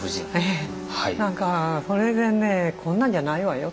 なんかそれでねこんなんじゃないわよ。